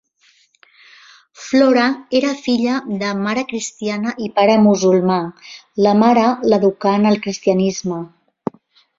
Flora era filla de mare cristiana i pare musulmà; la mare l'educà en el cristianisme.